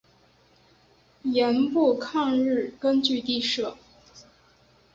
盐阜抗日根据地设。